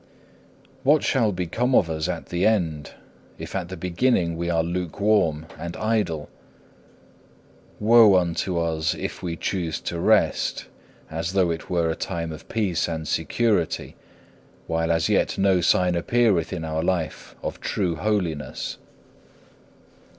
7. What shall become of us at the end, if at the beginning we are lukewarm and idle? Woe unto us, if we choose to rest, as though it were a time of peace and security, while as yet no sign appeareth in our life of true holiness.